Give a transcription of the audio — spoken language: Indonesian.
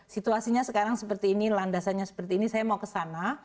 situasinya sekarang seperti ini landasannya seperti ini saya mau ke sana